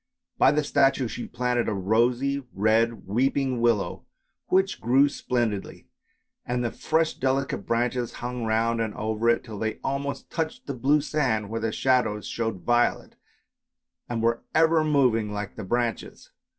By the statue she planted a rosy red weeping willow which grew splendidly, and the fresh delicate branches hung round and over it, till they almost touched the blue sand where the shadows showed violet, and were ever moving like the branches.